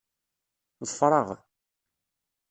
Ḍfer-aɣ.